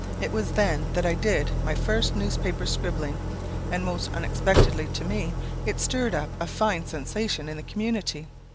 It was then that I did my first newspaper scribbling, and most unexpectedly to me, it stirred up a fine sensation in the community.